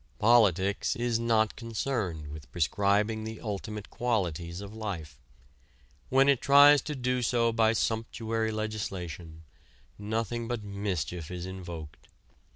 Politics is not concerned with prescribing the ultimate qualities of life. When it tries to do so by sumptuary legislation, nothing but mischief is invoked.